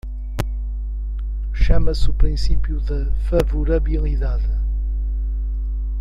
Chama-se o princípio da favorabilidade.